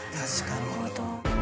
なるほど。